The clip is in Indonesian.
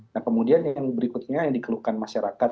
nah kemudian yang berikutnya yang dikeluhkan masyarakat